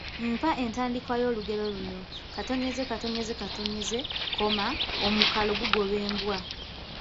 Mpa entandikwa y’olugero luno: ….…,omukalo gugoba embwa.